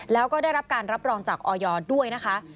แล้วก็ได้รับการรับรองจากออยด้วยนะคะ